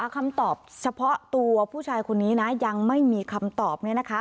คำตอบเฉพาะตัวผู้ชายคนนี้นะยังไม่มีคำตอบ